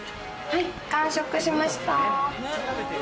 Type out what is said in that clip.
はい、完食しました！